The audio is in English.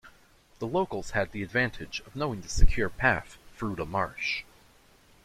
The locals had the advantage of knowing the secure path through the marsh.